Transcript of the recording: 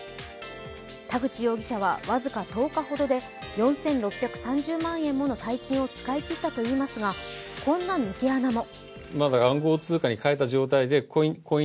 田口容疑者は僅か１０日ほどで４６３０万円もの大金を使いきったといいますが、こんな抜け穴も。